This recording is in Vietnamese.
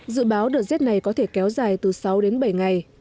dự báo đợt rét này có thể kéo dài từ sáu đến bảy ngày